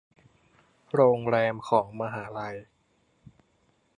โรงแรมของมหาลัย